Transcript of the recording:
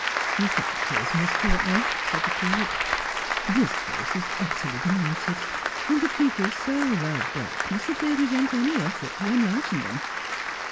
' The fact is, Miss Courtenay,' said the curate, ' this place U utterly benighted, and the people so love darkness that they resent any effort to enlighten them.